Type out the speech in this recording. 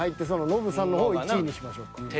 ノブさんの方を１位にしましょうか。